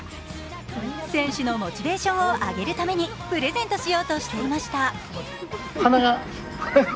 選手のモチベーションを上げるためにプレゼントしようとしていました。